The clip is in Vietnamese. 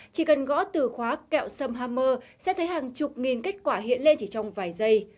chỉ cần gõ từ khóa kẹo sâm ham mơ sẽ thấy hàng chục nghìn kết quả hiện lên chỉ trong vài giây